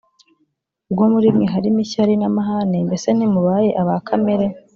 Ubwo muri mwe harimo ishyari, n'amahane, mbese ntimubaye aba kamere